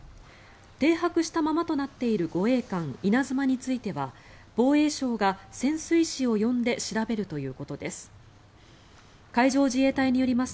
停泊したままとなっている護衛艦「いなづま」については防衛省が潜水士を呼んで調べるということです。